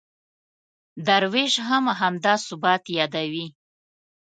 درویش هم همدا ثبات یادوي.